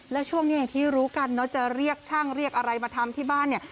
แล้วช่วงนี้อย่างที่รู้กันเนอะจะเรียกช่างเรียกอะไรมาทำที่บ้านเนี่ย